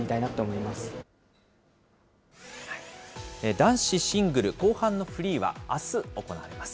男子シングル後半のフリーは、あす行われます。